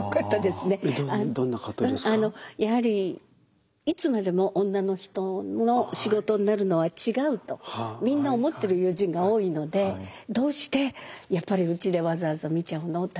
やはりいつまでも女の人の仕事になるのは違うとみんな思ってる友人が多いので「どうしてやっぱりうちでわざわざ見ちゃうの？